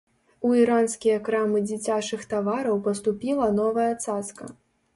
У іранскія крамы дзіцячых тавараў паступіла новая цацка.